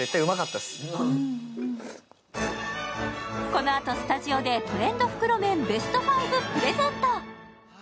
このあとスタジオでトレンド袋麺ベスト５をプレゼント。